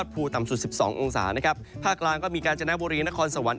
ภาคล่างก็มีการแจนกบูรีนครสวรรค์